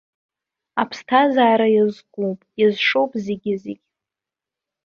Аԥсҭазаара иазкуп, иазшоуп зегьы-зегь.